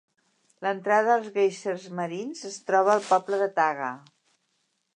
L'entrada als guèisers marins es troba al poble de Taga.